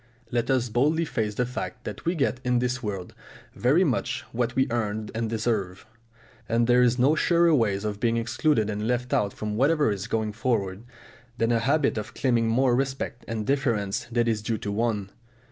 Let us boldly face the fact that we get in this world very much what we earn and deserve, and there is no surer way of being excluded and left out from whatever is going forward than a habit of claiming more respect and deference than is due to one.